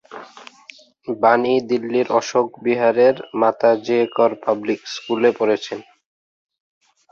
বাণী দিল্লীর অশোক বিহারের 'মাতা জ্যায় কর পাবলিক স্কুল' এ পড়েছেন।